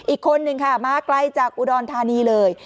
อีกคนนึงค่ะมาไกลจากอุดรธานีเลย